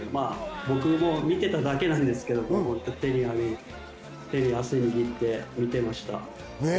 僕も見てただけなんですけど、手に汗握って見てました。